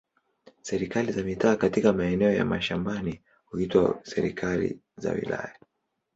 Serikali za mitaa katika maeneo ya mashambani huitwa serikali za wilaya.